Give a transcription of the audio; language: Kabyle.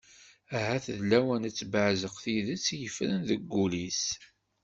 Ahat d lawan ad d-tebbeɛzaq tidet i yeffren deg wul-is.